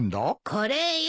これよ。